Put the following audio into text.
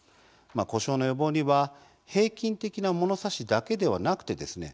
故障の予防には、平均的な物差しだけではなくてですね